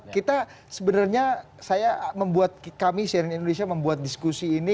kita sebenarnya kami sharing indonesia membuat diskusi ini